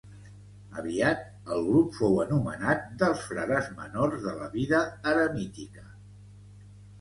Aviat, el grup fou anomenat dels Frares Menors de la Vida Eremítica.